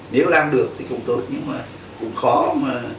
nếu làm được thì cũng tốt nhưng mà cũng khó mà